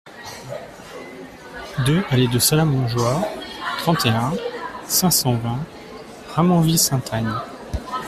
deux allée du Salas-Montjoie, trente et un, cinq cent vingt, Ramonville-Saint-Agne